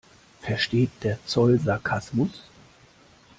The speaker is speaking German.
Versteht der Zoll Sarkasmus?